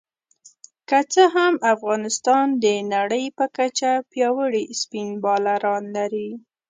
که څه هم افغانستان د نړۍ په کچه پياوړي سپېن بالران لري